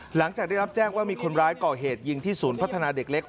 หลังจากได้รับแจ้งว่ามีคนร้ายก่อเหตุยิงที่ศูนย์พัฒนาเด็กเล็ก